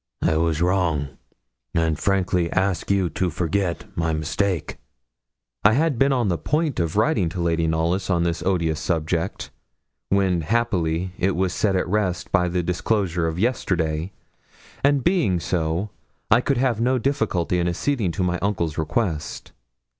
I was wrong, and frankly ask you to forget my mistake.' I had been on the point of writing to Lady Knollys on this odious subject, when, happily, it was set at rest by the disclosure of yesterday; and being so, I could have no difficulty in acceding to my uncle's request.